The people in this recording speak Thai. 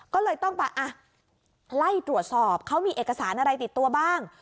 ก็เลยต้องไปอ่ะไล่ตรวจสอบเขามีเอกสารอะไรติดตัวบ้าง